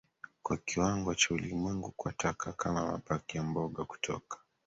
kwa kiwango cha ulimwengu kwa taka kama mabaki ya mboga kutoka